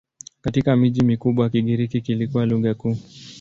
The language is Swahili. Katika miji mikubwa Kigiriki kilikuwa lugha kuu.